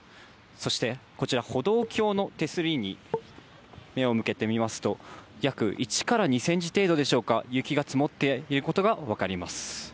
そしてこちら歩道橋の手すりに目を向けてみますと、約１から２センチ程度でしょうか、雪が積もっていることがわかります。